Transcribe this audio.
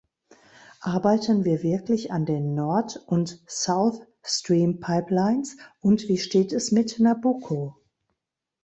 Arbeiten wir wirklich an den Nord- und Southstream-Pipelines, und wie steht es mit Nabucco?